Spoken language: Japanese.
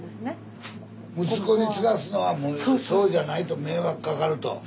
息子に継がすのはもうそうじゃないと迷惑かかると。